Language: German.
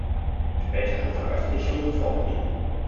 Spätere Veröffentlichungen floppten.